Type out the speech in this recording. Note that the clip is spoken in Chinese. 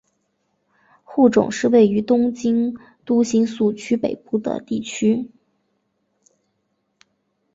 户冢是位于东京都新宿区北部的地区。